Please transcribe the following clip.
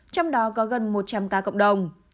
trong đó có gần một trăm linh ca cộng đồng